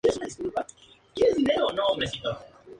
Por su parte, un pueblo comenzaba a crecer en torno al castillo.